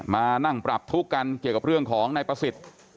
มานั่งปรับทุกข์กันเกี่ยวกับเรื่องของนายประสิทธิ์